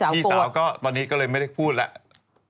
พี่สาวก็ตอนนี้ก็เลยไม่ได้พูดแล้ว